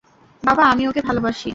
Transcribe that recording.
বাবা, আমি ওকে ভালবাসি।